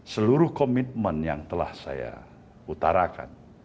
seluruh komitmen yang telah saya utarakan